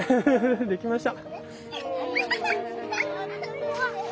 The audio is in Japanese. できました。